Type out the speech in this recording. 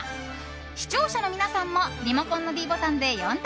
視聴者の皆さんもリモコンのｄボタンで４択